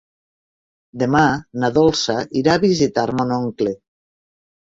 Demà na Dolça irà a visitar mon oncle.